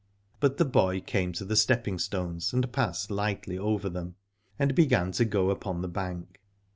But the boy came to the stepping stones and passed lightly over them, and began to go upon the bank.